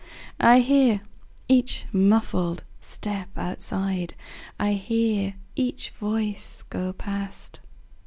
I hear each muffled step outside,I hear each voice go past.